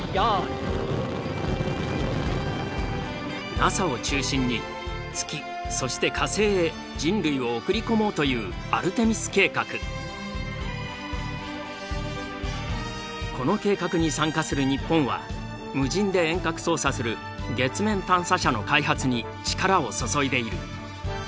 ＮＡＳＡを中心に月そして火星へ人類を送り込もうというこの計画に参加する日本は無人で遠隔操作する月面探査車の開発に力を注いでいる。